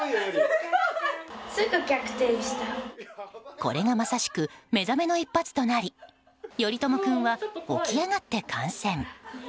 これがまさしく目覚めの一発となり頼友君は起き上がって観戦。